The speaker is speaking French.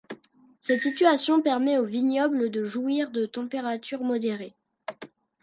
Cette situation permet au vignoble de jouir de températures modérées.